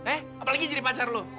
eh apalagi jadi pacar loh